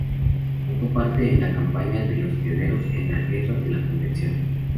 Tomó parte en la campaña de los Pirineos en la Guerra de la Convención.